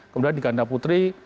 kemudian di ganda putri